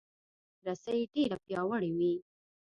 رسۍ ډیره پیاوړې وي.